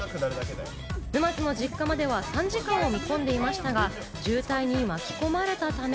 沼津の実家までは３時間を見込んでいましたが、渋滞に巻き込まれたため。